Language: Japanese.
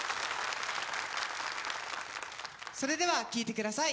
それでは聴いてください